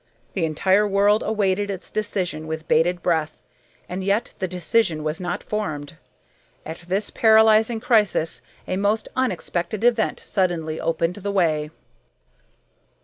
The entire world awaited its decision with bated breath, and yet the decision was not formed. At this paralyzing crisis a most unexpected event suddenly opened the way.